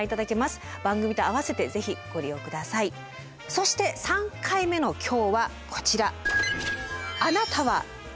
そして３回目の今日はこちら。